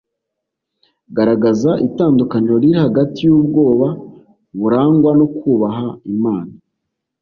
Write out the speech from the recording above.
Garagaza Itandukaniro Riri Hagati Y Ubwoba Burangwa No Kubaha Imana